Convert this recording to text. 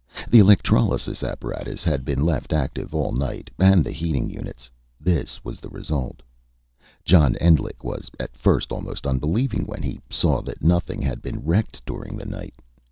The electrolysis apparatus had been left active all night, and the heating units. This was the result. John Endlich was at first almost unbelieving when he saw that nothing had been wrecked during the night.